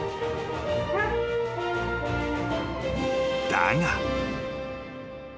［だが］